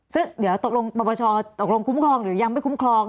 ซึ่งเดี๋ยวตกลงปปชตกลงคุ้มครองหรือยังไม่คุ้มครอง